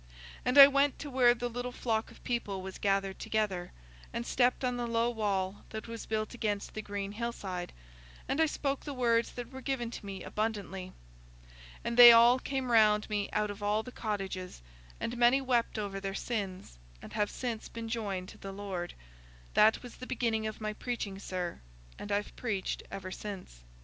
And I went to where the little flock of people was gathered together, and stepped on the low wall that was built against the green hillside, and I spoke the words that were given to me abundantly. And they all came round me out of all the cottages, and many wept over their sins, and have since been joined to the Lord. That was the beginning of my preaching, sir, and I've preached ever since."